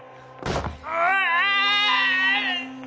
うわ！